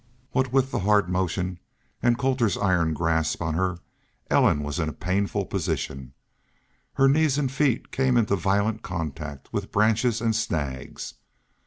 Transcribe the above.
What with the hard motion and Colter's iron grasp on her Ellen was in a painful position. Her knees and feet came into violent contact with branches and snags.